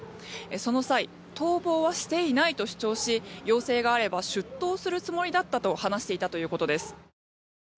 その際逃亡はしていないと主張し要請があれば出頭するつもりだったと話していたということです。